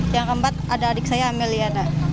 yang keempat ada adik saya ameliana